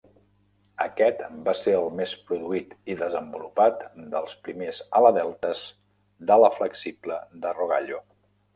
Aquest va ser el més produït i desenvolupat dels primers ala deltes d'ala flexible de Rogallo.